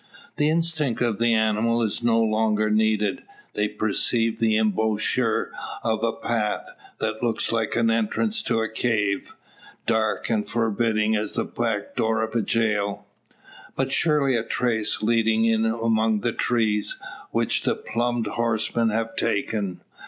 The instinct of the animal is no longer needed. They perceive the embouchure of a path, that looks like the entrance to a cave, dark and forbidding as the back door of a jail. But surely a trace leading in among the trees, which the plumed horsemen have taken.